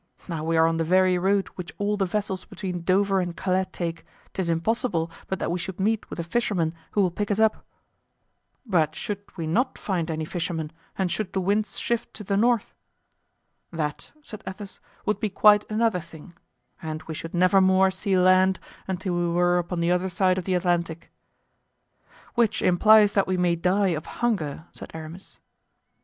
Now we are on the very road which all the vessels between Dover and Calais take, 'tis impossible but that we should meet with a fisherman who will pick us up." "But should we not find any fisherman and should the wind shift to the north?" "That," said Athos, "would be quite another thing; and we should nevermore see land until we were upon the other side of the Atlantic." "Which implies that we may die of hunger," said Aramis.